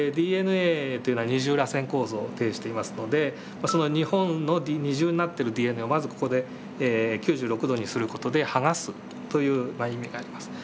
でＤＮＡっていうのは二重らせん構造を呈していますのでまあその２本の二重になっているＤＮＡをまずここで９６度にする事で剥がすという意味があります。